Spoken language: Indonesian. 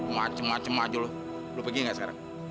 macem macem aja lo lo pergi gak sekarang